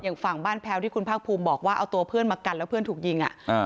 ฝั่งบ้านแพ้วที่คุณภาคภูมิบอกว่าเอาตัวเพื่อนมากันแล้วเพื่อนถูกยิงอ่ะอ่า